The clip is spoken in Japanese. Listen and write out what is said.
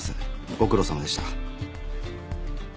ご苦労さまでした。